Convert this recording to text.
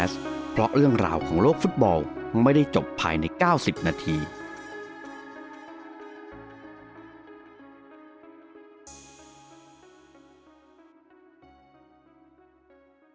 สวัสดีครับผม